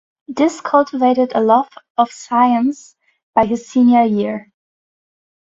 This cultivated a love of science by his senior year.